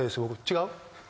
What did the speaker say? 違う？